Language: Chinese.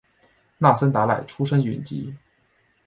那森达赖出身台吉。